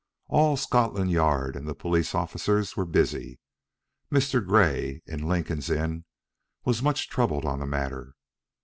All Scotland Yard and the police officers were busy. Mr. Grey, in Lincoln's Inn, was much troubled on the matter.